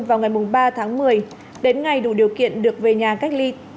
vào ngày ba tháng một mươi đến ngày đủ điều kiện được về nhà cách ly